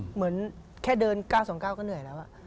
เหมือนแค่เดิน๙๒๙ก็เหนื่อยแล้ว